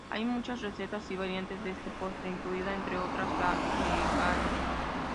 Hay muchas recetas y variantes de este postre, incluida, entre otras, la vegana.